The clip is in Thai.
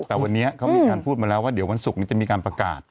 แต่วันนี้เขามีการพูดมาแล้วว่าเดี๋ยววันศุกร์นี้จะมีการประกาศ